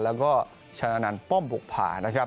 และชนานัลป้อมปกผ่า